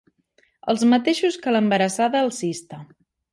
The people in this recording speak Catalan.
Els mateixos que l'Embarassada alcista.